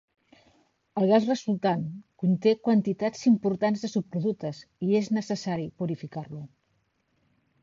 El gas resultant conté quantitats importants de subproductes i és necessari purificar-lo.